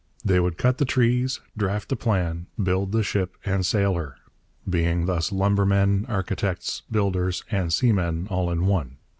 They would cut the trees, draft the plan, build the ship and sail her: being thus lumbermen, architects, builders, and seamen all in one.